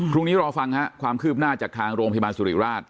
ครุ่งนี้รอฟังค่ะความคืบหน้าจากทางโรงพิมารสุริราช